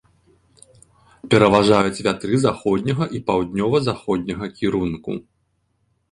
Пераважаюць вятры заходняга і паўднёва-заходняга кірунку.